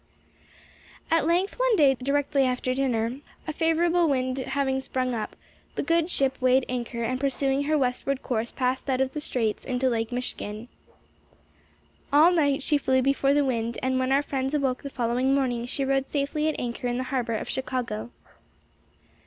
At length one day directly after dinner, a favorable wind having sprung up, the good ship weighed anchor and pursuing her westward course passed out of the straits into Lake Michigan. All night she flew before the wind and when our friends awoke the following morning she rode safely at anchor in the harbor of Chicago.